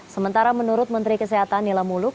sementara menurut menteri kesehatan nila muluk